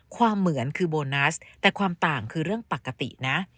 เหมือนคือโบนัสแต่ความต่างคือเรื่องปกตินะ